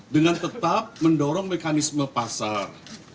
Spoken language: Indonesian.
dengan tetap mendorong mekanisme pasar